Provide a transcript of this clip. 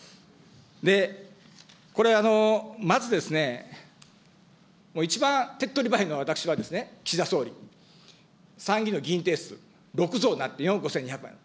で、これ、まずですね、一番手っ取り早いのは私は、岸田総理、参議院の議員定数６増になって、２億５４００万円。